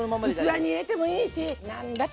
器に入れてもいいし何だって平気。